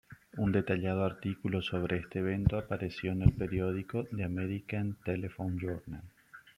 Un detallado artículo sobre este evento apareció en el periódico "The American Telephone Journal".